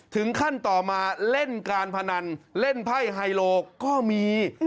ต่อมาเล่นการพนันเล่นไพ่ไฮโลก็มี